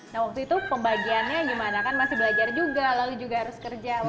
nah waktu itu pembagiannya gimana kan masih belajar juga lalu juga harus kerja